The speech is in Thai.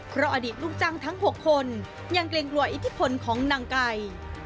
เพราะอดีตลูกจ้างทั้ง๖คนยังเกรงกลัวอิทธิพลของนางไก่